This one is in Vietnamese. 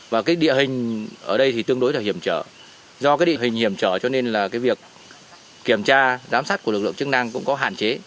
và cái địa hình ở đây thì tương đối là hiểm trở do cái địa hình hiểm trở cho nên là cái việc kiểm tra giám sát của lực lượng chức năng cũng có hạn chế